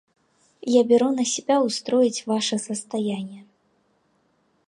Я беру на себя устроить ваше состояние».